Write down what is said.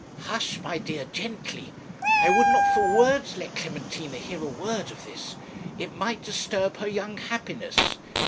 'Hush! my dear gently I would not for worlds let Clementina hear a word of this; it might disturb her young happiness.